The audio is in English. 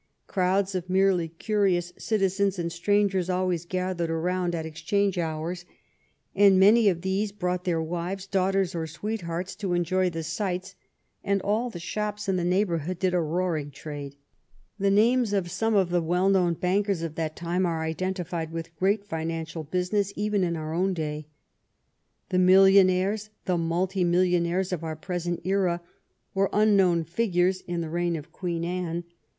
Crowds of merely curious citizens and strangers always gathered around at Ex change hours, and many of these brought their wives, daughters, or sweethearts to enjoy the sights, and all the shops in the neighborhood did a roaring trade. The names of some of the well known bankers of that time are identified with great financial business even in our own day. The millionaires, the multi million aires, of our present era, were unknown figures in the reign of Queen Anne.